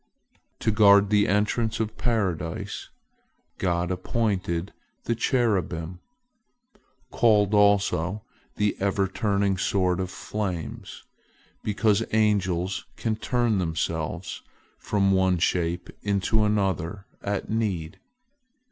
To guard the entrance to Paradise, God appointed the cherubim, called also the ever turning sword of flames, because angels can turn themselves from one shape into another at need.